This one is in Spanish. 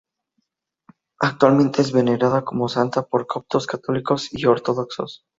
Actualmente es venerada como santa por coptos, católicos y ortodoxos.